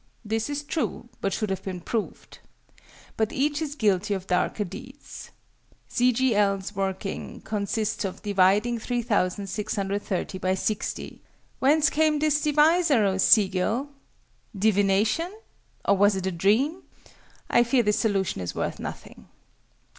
This is true, but should have been proved. But each is guilty of darker deeds. C. G. L.'s "working" consists of dividing 3,630 by 60. Whence came this divisor, oh Segiel? Divination? Or was it a dream? I fear this solution is worth nothing.